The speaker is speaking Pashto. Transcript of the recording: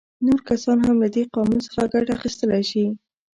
نور کسان هم له دې قاموس څخه ګټه اخیستلی شي.